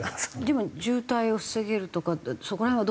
でも渋滞を防げるとかってそこら辺はどうなんですか？